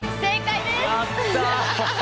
やった！